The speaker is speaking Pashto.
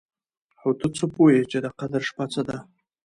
او ته څه پوه يې چې د قدر شپه څه ده؟